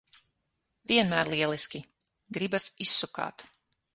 Vienmēr lieliski! Gribas izsukāt.